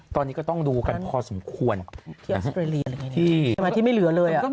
ตอนนี้ก็ต้องดูกันพอสมควรที่ออสเตอร์เลียที่ที่ไม่เหลือเลยอ่ะ